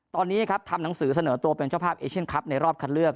ตอนนี้ครับทำหนังสือเสนอตัวเป็นเจ้าภาพเอเชียนคลับในรอบคัดเลือก